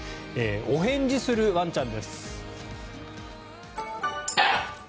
お返事するワンちゃんです。